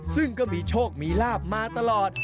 ซึ่งก็มีโชคมีลาบมาตลอด